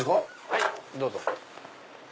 はいどうぞ。